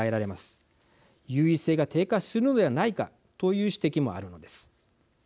優位性が低下するのではないかという指摘もあるのです。